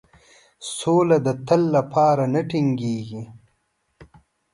سوله د تل لپاره نه ټینګیږي.